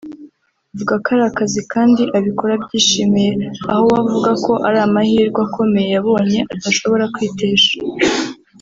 Avuga ko ari akazi kandi ngo abikora abyishimiye aho we avuga ko ari amahirwe akomeye yabonye adashobora kwitesha